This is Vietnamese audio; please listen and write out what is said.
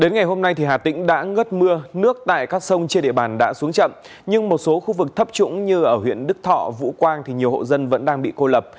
đến ngày hôm nay hà tĩnh đã ngất mưa nước tại các sông trên địa bàn đã xuống chậm nhưng một số khu vực thấp trũng như ở huyện đức thọ vũ quang thì nhiều hộ dân vẫn đang bị cô lập